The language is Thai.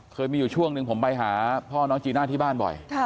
เคยมีอยู่ช่วงหนึ่งผมไปหาพ่อน้องจีน่าที่บ้านบ่อย